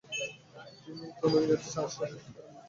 তিনি তোলুইয়ের চার শাসক পুত্রের মা।